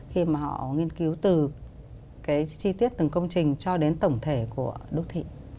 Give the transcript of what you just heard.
khi mà họ nghiên cứu từ cái chi tiết từng công trình cho đến tổng thể của đô thị